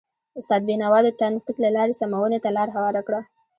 استناد بینوا د تنقید له لارې سمونې ته لار هواره کړه.